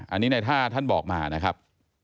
อันนี้ในท่าท่านบอกมานะครับ